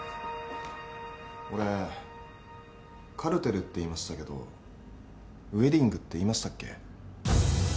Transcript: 俺カルテルって言いましたけどウエディングって言いましたっけ？